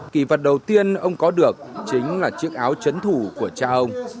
kỳ vật đầu tiên ông có được chính là chiếc áo chấn thủ của cha ông